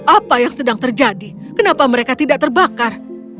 apa yang sedang terjadi kenapa mereka tidak terbakar